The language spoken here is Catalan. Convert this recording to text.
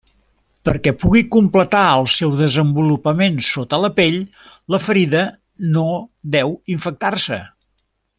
Perquè pugui completar el seu desenvolupament sota la pell, la ferida no deu infectar-se.